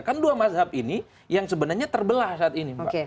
kan dua mazhab ini yang sebenarnya terbelah saat ini mbak